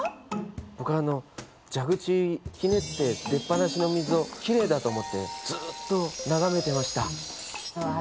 僕あの蛇口ひねって出っ放しの水をきれいだと思ってずっと眺めてました。